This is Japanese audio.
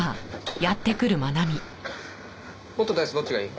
ホットとアイスどっちがいい？